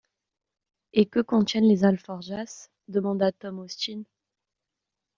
Et que contiennent les alforjas ? demanda Tom Austin.